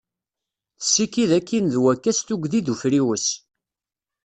Tessikid akin d wakka s tugdi d ufriwes.